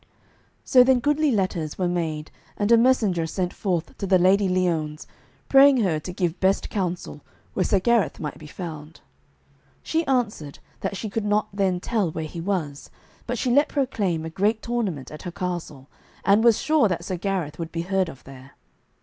So then goodly letters were made and a messenger sent forth to the Lady Liones, praying her to give best counsel where Sir Gareth might be found. She answered that she could not then tell where he was; but she let proclaim a great tournament at her castle, and was sure that Sir Gareth would be heard of there.